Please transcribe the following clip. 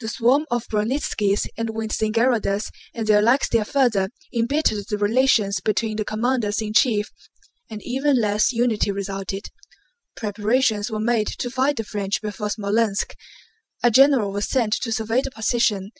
The swarm of Bronnítskis and Wintzingerodes and their like still further embittered the relations between the commanders in chief, and even less unity resulted. Preparations were made to fight the French before Smolénsk. A general was sent to survey the position.